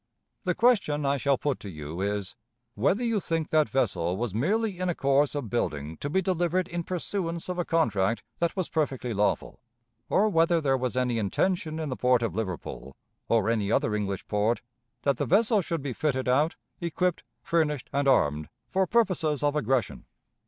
"The question I shall put to you is, Whether you think that vessel was merely in a course of building to be delivered in pursuance of a contract that was perfectly lawful, or whether there was any intention in the port of Liverpool, or any other English port, that the vessel should be fitted out, equipped, furnished, and armed for purposes of aggression.